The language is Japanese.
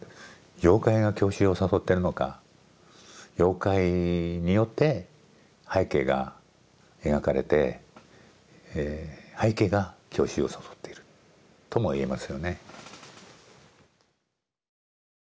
妖怪が郷愁を誘ってるのか妖怪によって背景が描かれて背景が郷愁を誘っているとも言えますよね。